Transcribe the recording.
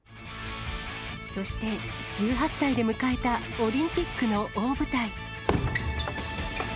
そして１８歳で迎えたオリンピックの大舞台。